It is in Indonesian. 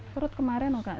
perut kemarin kak sini